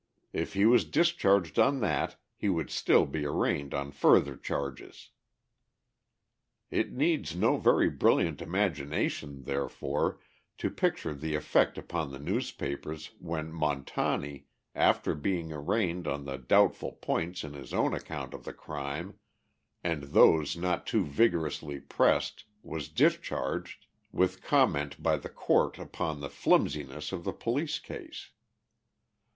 If he was discharged on that, he would still be arraigned on further charges. It needs no very brilliant imagination, therefore, to picture the effect upon the newspapers when Montani, after being arraigned on the doubtful points in his own account of the crime, and those not too vigorously pressed, was discharged, with comment by the court upon the flimsiness of the police case.